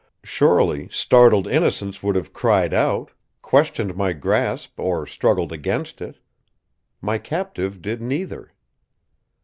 Surely startled innocence would have cried out, questioned my grasp or struggled against it! My captive did neither.